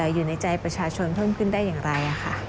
อยู่ในใจประชาชนเพิ่มขึ้นได้อย่างไร